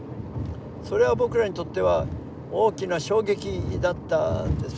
それは僕らにとっては大きな衝撃だったんですね。